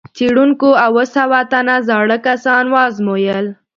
څېړونکو اووه سوه تنه زاړه کسان وازمویل.